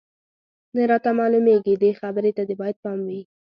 نه راته معلومېږي، دې خبرې ته دې باید پام وي.